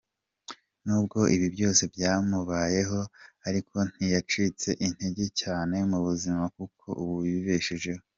N’ubwo ibi byose byamubayeho ariko, ntiyacitse intege cyane mu buzima kuko ubu yibeshejeho.